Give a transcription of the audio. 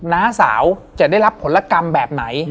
น้าสาวจะได้รับผลกรรมแบบไหน